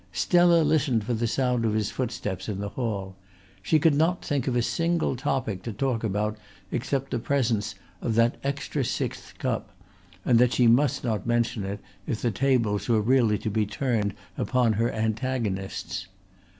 Stella listened for the sound of his footsteps in the hall; she could not think of a single topic to talk about except the presence of that extra sixth cup; and that she must not mention if the tables were really to be turned upon her antagonists.